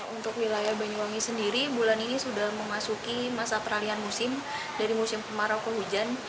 untuk wilayah banyuwangi sendiri bulan ini sudah memasuki masa peralian musim dari musim kemarau ke hujan